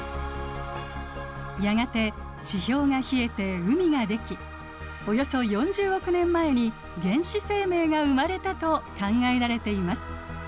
やがて地表が冷えて海ができおよそ４０億年前に原始生命が生まれたと考えられています。